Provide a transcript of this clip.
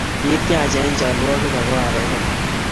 Kitiacha eng chalwogik ako abaibai